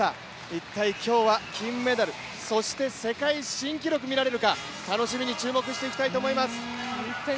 一体今日は金メダル、そして世界新記録見られるか楽しみに注目していきたいと思います。